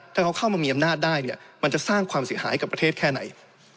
ถ้าเขาเข้ามามีอำนาจได้เนี่ยมันจะสร้างความเสียหายกับประเทศแค่ไหน